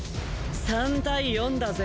３対４だぜ？